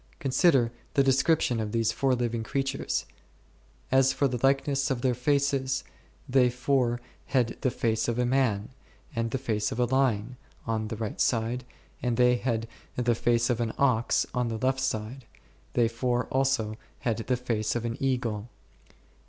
Consider the descrip tion of these four living creatures ; as for the likeness of their faces, they four had the face of a man, and the face of a lion on the right side ; and they four had the face of an ox on the left side ; they four also had the face of an eagle s